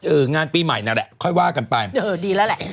งานปีใหม่นั่นแหละค่อยว่ากันไปเออดีแล้วแหละ